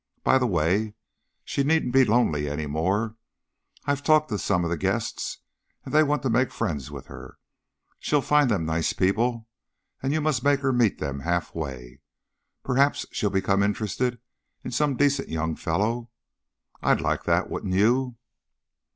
By the way, she needn't be lonely any more; I've talked to some of the guests, and they want to make friends with her. She'll find them nice people, and you must make her meet them halfway. Perhaps she'll become interested in some decent young fellow. I'd like that, wouldn't you?"